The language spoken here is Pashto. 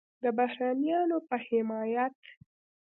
د بهرنیانو په حمایت